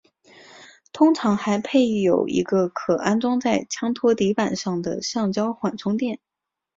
通常还配有一个可安装在枪托底板上的橡胶缓冲垫。